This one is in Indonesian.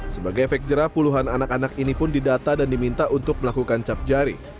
sebagai efek jerah puluhan anak anak ini pun didata dan diminta untuk melakukan cap jari